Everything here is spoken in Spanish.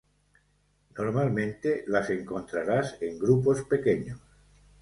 Normalmente las encontrarás en grupos pequeños.